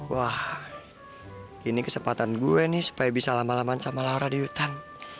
wah ini kesempatan gue nih supaya bisa lama laman sama laura di hutan